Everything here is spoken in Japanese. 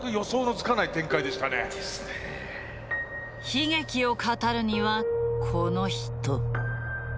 悲劇を語るにはこの人。